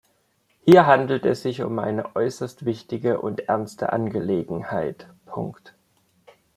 Hier handelt es sich um eine äußerst wichtige und ernste Angelegenheit.